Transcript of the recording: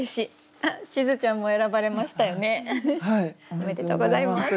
おめでとうございます。